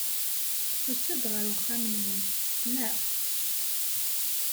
Tusa-d ɣer uxxam-nwent, naɣ?